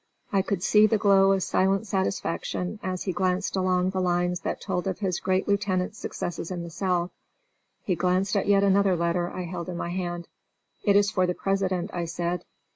I could see the glow of silent satisfaction as he glanced along the lines that told of his great lieutenant's successes in the South. He glanced at another letter I held in my hand. "It is for the President," I said.